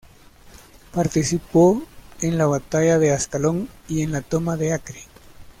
Participó en la batalla de Ascalón y en la toma de Acre.